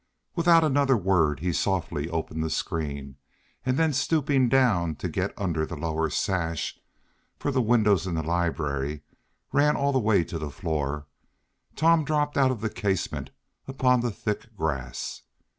Without another word he softly opened the screen, and then, stooping down to get under the lower sash (for the windows in the library ran all the way to the floor), Tom dropped out of the casement upon the thick grass.